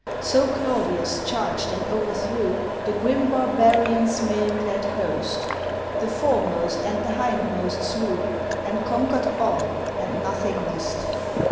So Claudius charged and overthrew The grim barbarian's mail clad host, The foremost and the hindmost slew, And conquer'd all, and nothing lost.